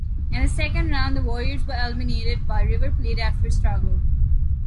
In the second round, the Warriors were eliminated by River Plate after a struggle.